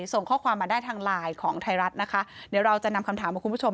ส่งข้อความมาได้ทางไลน์ของไทยรัฐนะคะเดี๋ยวเราจะนำคำถามมาคุณผู้ชม